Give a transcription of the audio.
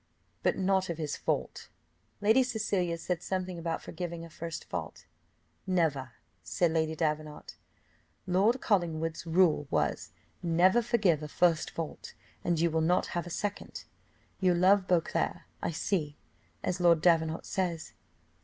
"But not of his fault." Lady Cecilia said something about forgiving a first fault. "Never!" said Lady Davenant. "Lord Collingwood's rule was never forgive a first fault, and you will not have a second. You love Beauclerc, I see, as Lord Davenant says."